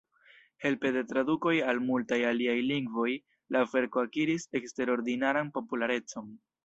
Helpe de tradukoj al multaj aliaj lingvoj, la verko akiris eksterordinaran popularecon.